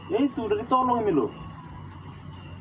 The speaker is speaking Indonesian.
ya itu udah ditolong ini loh